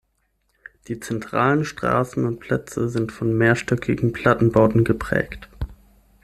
Die zentralen Straßen und Plätze sind von mehrstöckigen Plattenbauten geprägt.